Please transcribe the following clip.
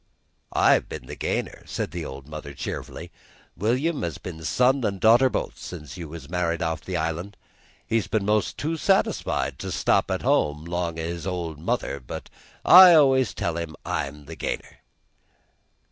"I've been the gainer," said the old mother cheerfully. "William has been son an' daughter both since you was married off the island. He's been 'most too satisfied to stop at home 'long o' his old mother, but I always tell 'em I'm the gainer."